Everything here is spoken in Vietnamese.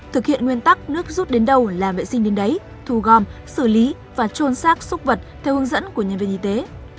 thực hiện nguyên tắc nước rút đến đâu làm vệ sinh đến đấy thu gom xử lý và trôn xác xúc vật theo hướng dẫn của nhân viên y tế